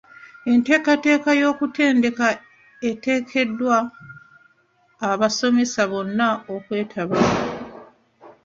Enteekateeka y'okutendeka etegekeddwa abasomesa bonna okwetabamu.